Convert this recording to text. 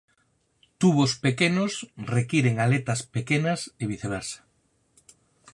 Tubos pequenos requiren aletas pequenas e viceversa.